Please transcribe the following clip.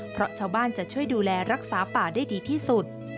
เพราะชาวบ้านจะช่วยดูแลรักษาป่าได้ดีที่สุด